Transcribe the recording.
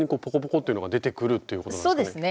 ッていうのが出てくるっていうことなんですかね。